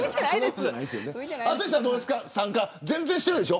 参加、全然してるでしょ。